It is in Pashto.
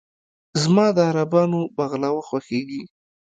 زما د عربانو "بغلاوه" خوښېږي.